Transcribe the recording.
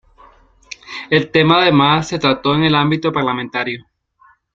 El tema, además, se trató en el ámbito parlamentario.